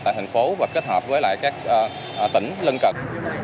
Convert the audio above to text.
tại thành phố và kết hợp với lại các tỉnh lân cận